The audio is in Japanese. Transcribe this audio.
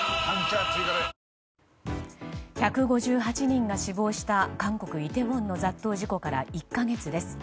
１５８人が死亡した韓国イテウォンの雑踏事故から１か月です。